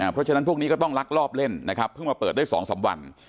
เพราะฉะนั้นพวกนี้ก็ต้องลักลอบเล่นนะครับเพิ่งมาเปิดได้๒๓วัน